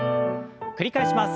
繰り返します。